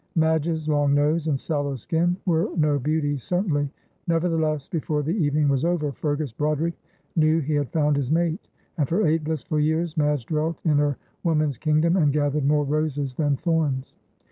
Madge's long nose and sallow skin were no beauties certainly; nevertheless, before the evening was over, Fergus Broderick knew he had found his mate; and for eight blissful years Madge dwelt in her woman's kingdom, and gathered more roses than thorns.